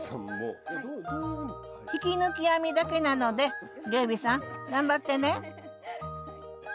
引き抜き編みだけなので龍美さん頑張ってね！